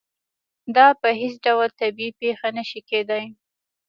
دا په هېڅ ډول طبیعي پېښه نه شي کېدای.